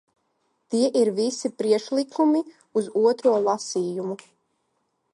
Tie ir visi priekšlikumu uz otro lasījumu.